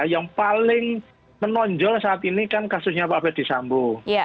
yang paling menonjol saat ini kan kasusnya pak ferdisambu